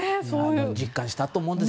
実感したと思うんです。